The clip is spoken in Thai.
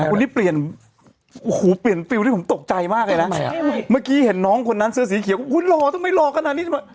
อูหูเพลียร์ท้องตกใจมากเลยละแม่มักกี้เห็นน้องคนนั้นเสื้อสีเขียวอยู่รอทำไมรอขนาดนี้